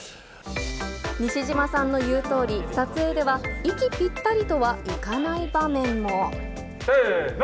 西島さんの言うとおり、撮影では、息ぴったりとはいかない場面も。せーの。